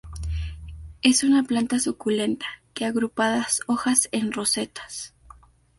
Es una planta suculenta, que agrupadas hojas en rosetas.